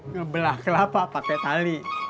ngebelah kelapa pakai tali